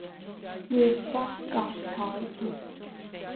願君郭采潔